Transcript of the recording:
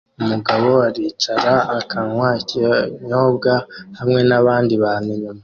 Umugabo aricara akanywa ikinyobwa hamwe nabandi bantu inyuma